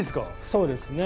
そうですね。